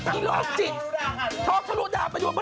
ท้อสรุดาค่ะท้อสรุดาไปดูว่าเมื่อไหร่